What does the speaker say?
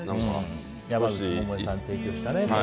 山口百恵さんに提供したね。